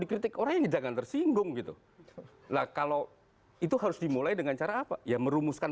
dikritik orang ini jangan tersinggung gitu lah kalau itu harus dimulai dengan cara apa ya merumuskan